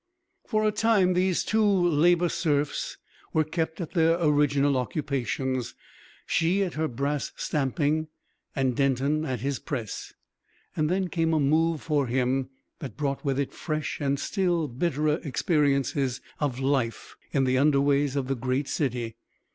For a time these two Labour Serfs were kept at their original occupations, she at her brass stamping and Denton at his press; and then came a move for him that brought with it fresh and still bitterer experiences of life in the underways of the great city.